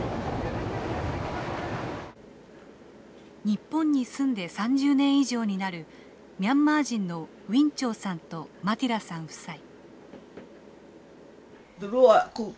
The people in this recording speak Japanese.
日本に住んで３０年以上になるミャンマー人のウィン・チョウさんとマティダさん夫妻。